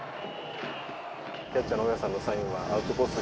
キャッチャーの大矢さんのサインはアウトコース